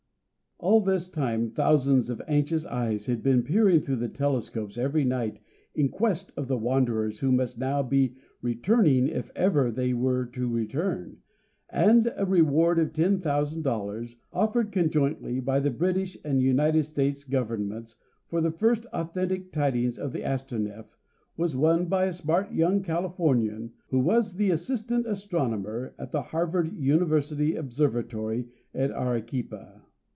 All this time thousands of anxious eyes had been peering through telescopes every night in quest of the wanderers who must now be returning if ever they were to return, and a reward of ten thousand dollars, offered conjointly by the British and United States Governments for the first authentic tidings of the Astronef, was won by a smart young Californian, who was Assistant Astronomer at the Harvard University Observatory at Arequipa.